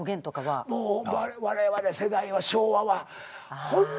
もうわれわれ世代は昭和はホントに下手。